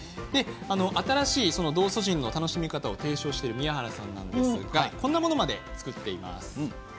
新しい道祖神の楽しみ方を提訴している宮原さんですがこんなものまで作っています。